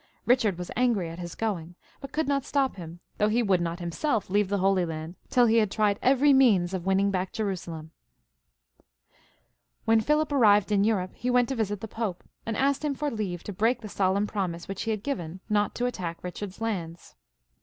Bichard was angry at his going, but could not stop him, though he would not himself leave the Holy Land till he had tried every means of winning back Jerusalem. When Philip arrived in Europe he went to visit the Pope, and asked him for leave to break the solemn promise which he had given not to attack Eichard's lands.